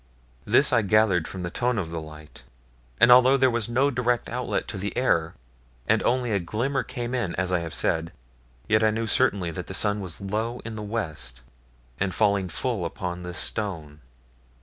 This I gathered from the tone of the light; and although there was no direct outlet to the air, and only a glimmer came in, as I have said, yet I knew certainly that the sun was low in the west and falling full upon this stone.